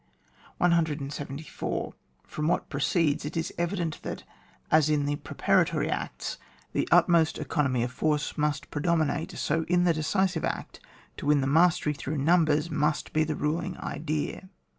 174. From what precedes it is evident that, as in the preparatory acts, the ut most economy of force must predominate, so in the decisive act, to win the mastery through numbers must be the ruling idea.